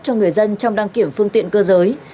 cho người dân trong đăng kiểm phương tiện cơ giới